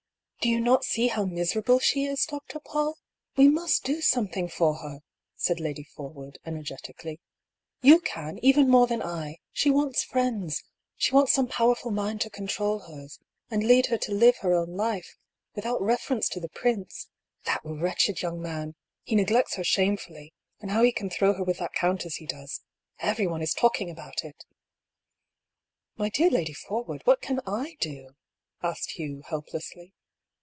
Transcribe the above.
" Do you not see how miserable she is. Dr. PauU ? We must do something for her," said Lady Forwood, energetically. "You can, even more than I. She wants friends. She wants some powerful mind to con trol hers, and lead her to live her own life, without ' THE BEGINNING OF THE SEQUEL. 181 reference to the prince. That wretched young man! He neglects her shamefully; and how he can throw her with that count as he does — everyone is talking about it 1 "" My dear Lady Forwood, what can / do ?" asked Hugh, helplessly.